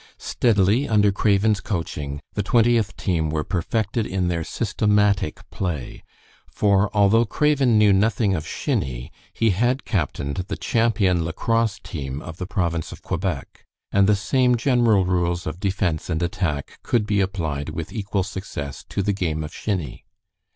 Steadily, under Craven's coaching, the Twentieth team were perfected in their systematic play; for although Craven knew nothing of shinny, he had captained the champion lacrosse team of the province of Quebec, and the same general rules of defense and attack could be applied with equal success to the game of shinny.